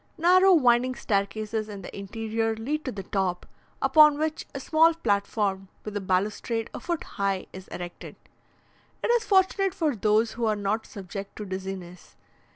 Narrow winding staircases in the interior lead to the top, upon which a small platform, with a balustrade a foot high, is erected. It is fortunate for those who are not subject to dizziness.